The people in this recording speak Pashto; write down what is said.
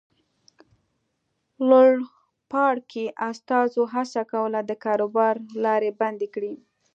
لوړپاړکي استازو هڅه کوله د کاروبار لارې بندې کړي.